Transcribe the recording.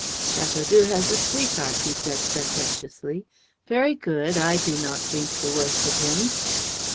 "Chateaudoux has a sweetheart," said he, sententiously. "Very good; I do not think the worse of him."